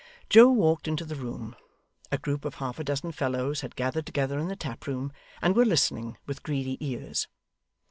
Joe walked into the room. A group of half a dozen fellows had gathered together in the taproom, and were listening with greedy ears.